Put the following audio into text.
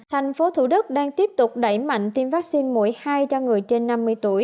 thành phố thủ đức đang tiếp tục đẩy mạnh tiêm vaccine mũi hai cho người trên năm mươi tuổi